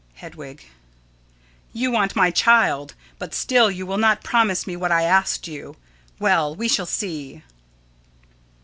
Hedwig: You want my child, but still you will not promise me what I asked you. Well, we shall see.